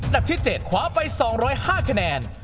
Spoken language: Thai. ลับที่๗ขวาไป๒๐๕คะแนน